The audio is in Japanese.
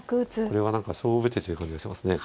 これは何か勝負手っていう感じがしますね。